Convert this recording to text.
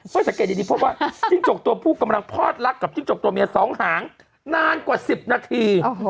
เฮ้ยสังเกตอย่างนี้พบว่าจิ้งจกตัวผู้กำลังพอดรักกับจิ้งจกตัวเมียสองหางนานกว่าสิบนาที